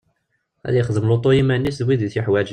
Ad ixdem lutu i yiman-is d wid i t-yuḥwaǧen.